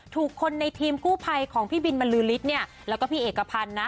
ถูกคนในทีมกู้ภัยของพี่บินบรรลือฤทธิ์เนี่ยแล้วก็พี่เอกพันธ์นะ